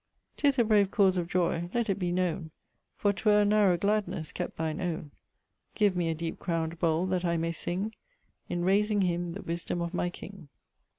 'Tis a brave cause of joy; let it be knowne, For 'twere a narrow gladnesse, kept thine owne. Give me a deep crown'd bowle, that I may sing In raysing him the wisdome of my king.